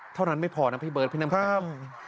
เท่านั้นไม่พอนะพี่เบิร์ดพี่น้ำแข็ง